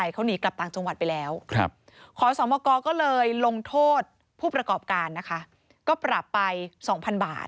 เป็นชื่อข้อทิ้ง